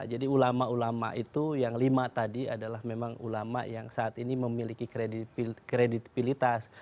jadi ulama ulama itu yang lima tadi adalah memang ulama yang saat ini memiliki kredibilitas